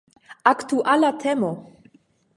Aktuala temo!